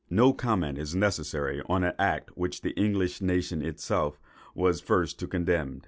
No comment is necessary on an act which the English nation itself was the first to condemn.